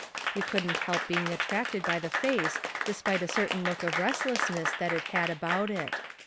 You couldn't help being attracted by his face despite a certain look of recklesness that it had about it.